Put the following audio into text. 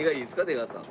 出川さん。